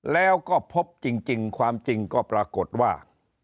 แล้วก็พบจริงความจริงก็ปรากฏว่า